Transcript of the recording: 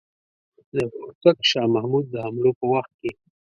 د هوتک شاه محمود د حملو په وخت کې.